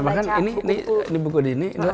bahkan ini buku di sini